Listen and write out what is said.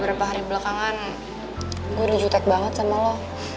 beberapa hari belakangan gue udah jutek banget sama lo